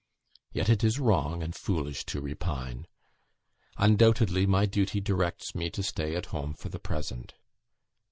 Yet it is wrong and foolish to repine. Undoubtedly, my duty directs me to stay at home for the present.